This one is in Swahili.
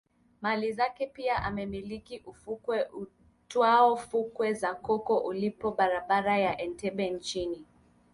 mali zake pia anamiliki ufukwe uitwao fukwe za Coco uliopo Barabara ya Entebbe nchini